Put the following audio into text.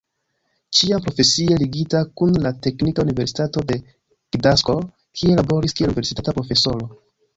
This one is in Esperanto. Ĉiam profesie ligita kun la Teknika Universitato en Gdansko, kie laboris kiel universitata profesoro.